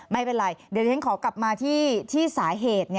ไม่เป็นไรเดี๋ยวฉันขอกลับมาที่สาเหตุ